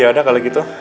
ah yaudah kalau gitu